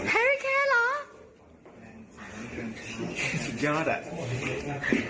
แฮรี่เคนเหรอสุดยอดอ่ะสุดยอดอ่ะสุดยอดอ่ะ